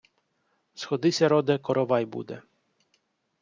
Сходися, роде, коровай буде!